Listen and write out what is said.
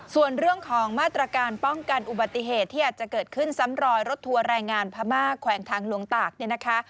ส่วนเรื่องของมาตรการป้องกันอุบัติเหตุที่อาจจะเกิดขึ้นซ้ำรอยรถทัวร์แรงงานพม่าแขวงทางหลวงตากเนี่ยนะคะ